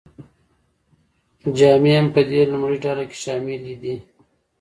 جامې هم په دې لومړۍ ډله کې شاملې دي.